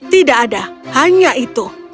tidak ada hanya itu